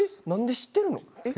何で知ってるの？